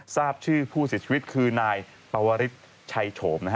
ทราบชื่อผู้เสียชีวิตคือนายปวริสชัยโฉมนะฮะ